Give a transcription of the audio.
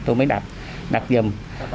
tôi mới đặt giùm